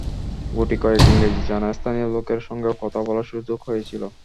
গুটি কয়েক ইংরেজি জানা স্থানীয় লোকের সঙ্গেও কথা বলার সুযোগ হয়েছিল।